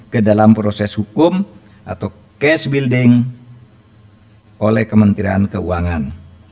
ke dalam proses hukum atau case building oleh kementerian keuangan